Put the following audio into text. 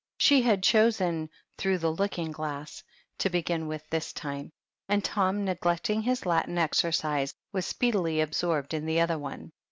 She had chosen "Through the Looking glass" to begin with this time ; and Tom, neglect ing his Latin exercise, was speedily absorbed in •the other one.